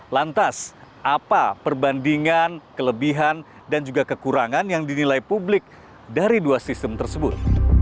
lantas apa perbandingan kelebihan dan juga kekurangan yang dinilai publik dari dua sistem tersebut